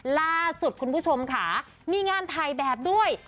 ล่าสุดคุณผู้ชมค่ะมีงานถ่ายแบบด้วย